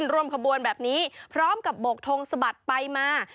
ร่วมขบวนแบบนี้พร้อมกับโบกทงสะบัดไปมา